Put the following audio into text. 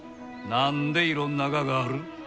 何でいろんなががある？